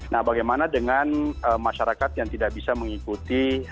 nah bagaimana dengan masyarakat yang tidak bisa mengikuti